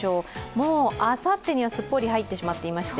もうあさってにはすっぽり入ってしまっていまして。